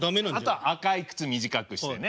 あと「赤い靴」短くしてね。